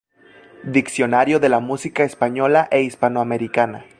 Diccionario de la Música Española e Hispanoamericana